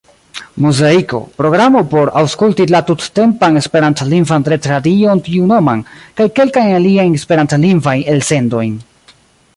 Muzaiko, programo por aŭskulti la tuttempan Esperantlingvan retradion tiunoman, kaj kelkajn aliajn Esperantlingvajn elsendojn.